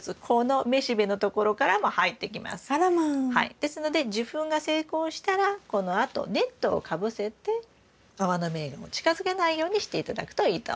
ですので受粉が成功したらこのあとネットをかぶせてアワノメイガも近づけないようにして頂くといいと思います。